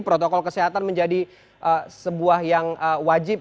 protokol kesehatan menjadi sebuah yang wajib